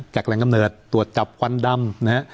แหล่งกำเนิดตรวจจับควันดำนะฮะ